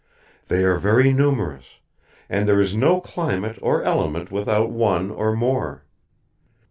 They are very numerous, and there is no climate or element without one or more.'